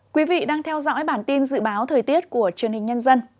quý vị đang theo dõi bản tin dự báo thời tiết của truyền hình nhân dân